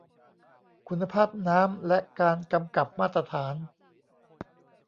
คุณภาพน้ำ และการกำกับมาตรฐาน